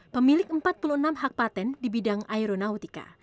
pemilik empat puluh enam hak patent di bidang aeronautika